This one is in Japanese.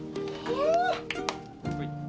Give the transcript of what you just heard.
はい。